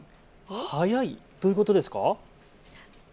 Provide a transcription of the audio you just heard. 速い？どういうことですか。